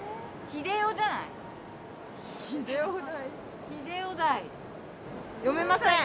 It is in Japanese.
ひでおじゃないよ。